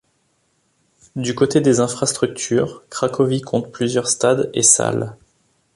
Du côté des infrastructures, Cracovie compte plusieurs stades et salles.